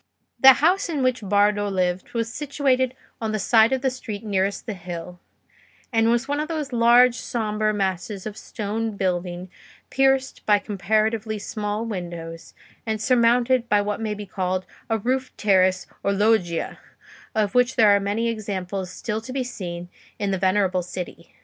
The house in which Bardo lived was situated on the side of the street nearest the hill, and was one of those large sombre masses of stone building pierced by comparatively small windows, and surmounted by what may be called a roofed terrace or loggia, of which there are many examples still to be seen in the venerable city.